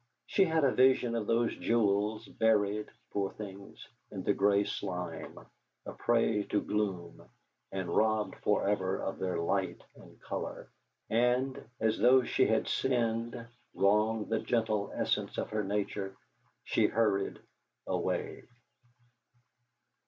She had a vision of those jewels, buried, poor things! in the grey slime, a prey to gloom, and robbed for ever of their light and colour. And, as though she had sinned, wronged the gentle essence of her nature, she hurried away.